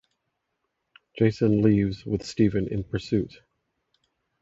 Jason leaves with Steven in pursuit.